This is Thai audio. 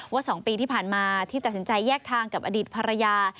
๒ปีที่ผ่านมาที่ตัดสินใจแยกทางกับอดีตภรรยา